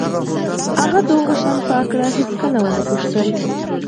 هغه د هغو شیانو په هکله هېڅ ونه پوښتل